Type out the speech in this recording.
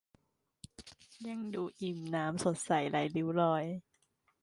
ยังดูอิ่มน้ำ สดใสไร้ริ้วรอย